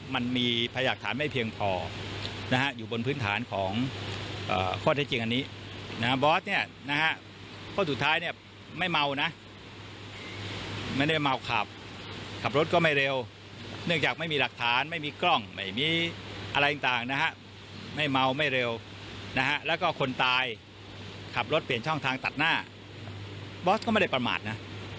ไม่เมาไม่เร็วนะฮะแล้วก็คนตายขับรถเปลี่ยนช่องทางตัดหน้าบอสก็ไม่ได้ประมาทนะ